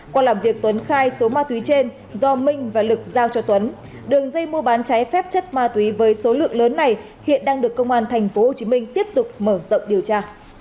qua làm việc tuấn khai số ma túy trên do minh và lực giao cho tuấn đường dây mua bán trái phép chất ma túy với số lượng lớn này hiện đang được công an tp hcm tiếp tục mở rộng điều tra